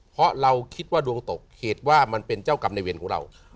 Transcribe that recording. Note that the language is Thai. เพราะเราคิดว่าดวงตกเหตุว่ามันเป็นเจ้ากรรมในเวรของเรา